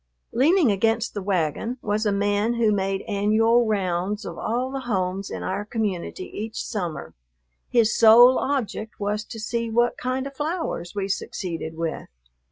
Leaning against the wagon was a man who made annual rounds of all the homes in our community each summer; his sole object was to see what kind of flowers we succeeded with.